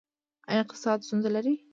ایا اقتصادي ستونزې لرئ؟